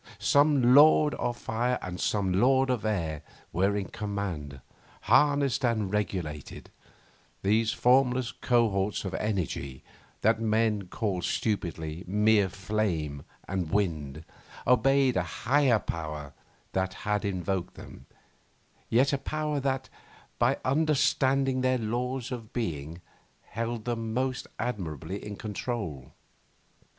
Some Lord of Fire and some Lord of Air were in command. Harnessed and regulated, these formless cohorts of energy that men call stupidly mere flame and wind, obeyed a higher power that had invoked them, yet a power that, by understanding their laws of being, held them most admirably in control.